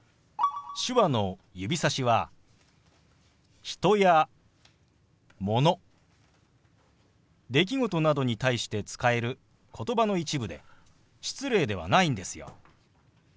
手話の指さしは人やもの出来事などに対して使える言葉の一部で失礼ではないんですよ。